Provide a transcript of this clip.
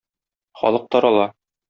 Халык тарала.